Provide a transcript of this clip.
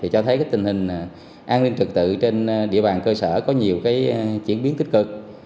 cho thấy tình hình an ninh trật tự trên địa bàn cơ sở có nhiều chuyển biến tích cực